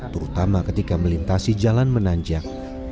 terutama ketika melintasi jalan menanjak